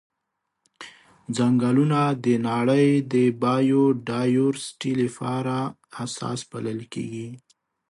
ځنګلونه د نړۍ د بایوډایورسټي لپاره اساس بلل کیږي.